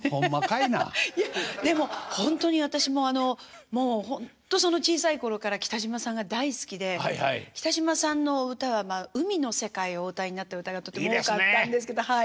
いやでもほんとに私もあのもうほんと小さい頃から北島さんが大好きで北島さんの歌は海の世界をお歌いになってる歌がとても多かったんですけどはい。